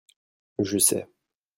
je sais.